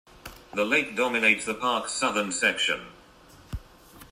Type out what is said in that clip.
The lake dominates the park's southern section.